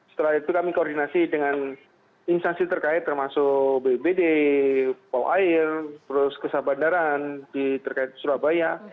setelah itu kami koordinasi dengan instansi terkait termasuk bbd pol air terus kesah bandaran di terkait surabaya